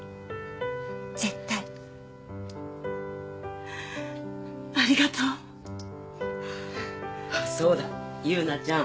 絶対ありがとうそうだ優奈ちゃん